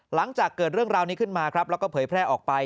หลังจากเกิดเรื่องราวนี้ขึ้นมาครับแล้วก็เผยแพร่ออกไป